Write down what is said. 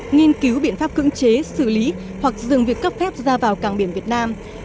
nghiên cứu biện pháp cưỡng chế xử lý hoặc dừng việc cấp phép ra vào càng biển việt nam